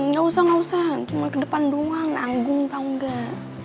gak usah gak usah cuma ke depan doang nanggung apa enggak